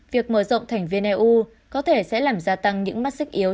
việc mở rộng thành viên eu có thể sẽ làm gia tăng những mắt xích yếu